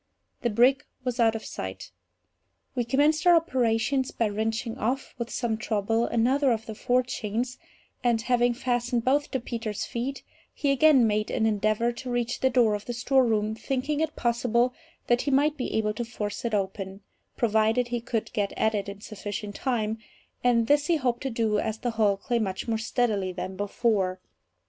The brig was out of sight. We commenced our operations by wrenching off, with some trouble, another of the forechains; and having fastened both to Peters' feet, he again made an endeavour to reach the door of the storeroom, thinking it possible that he might be able to force it open, provided he could get at it in sufficient time; and this he hoped to do, as the hulk lay much more steadily than before.